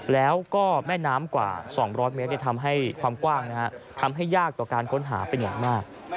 แล้วก็แม่น้ำกว่า๒๐๐เมตรทำให้ความกว้างทำให้ยากต่อการค้นหาเป็นอย่างมาก